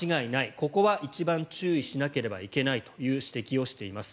ここは一番注意しなければいけないという指摘をしています。